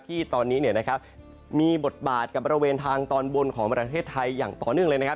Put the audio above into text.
ที่ตอนนี้มีบทบาทกับบริเวณทางตอนบนของประเทศไทยอย่างต่อเนื่องเลยนะครับ